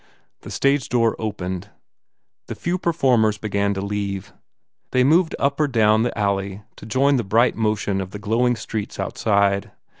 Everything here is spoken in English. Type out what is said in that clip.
The stage door opened. The few performers began to leave. They moved up or down the alley to join the bright motion of the glowing streets outside.